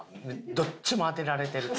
どっちも当てられてるって。